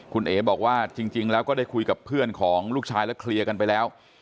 คุณเอ๋บอกว่าจริงแล้วก็ได้คุยกับเพื่อนของลูกชายและเคลียร์กันไปแล้ว